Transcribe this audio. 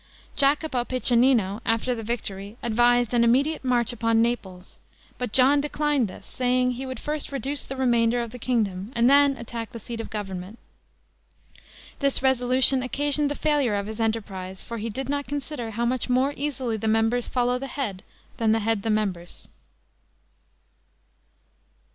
Jacopo Piccinino, after the victory, advised an immediate march upon Naples; but John declined this, saying, he would first reduce the remainder of the kingdom, and then attack the seat of government. This resolution occasioned the failure of his enterprise; for he did not consider how much more easily the members follow the head than the head the members.